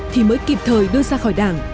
thì mới kịp thời đưa ra khỏi đảng